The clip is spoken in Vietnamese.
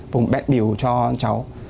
vùng bẹt biểu cho cháu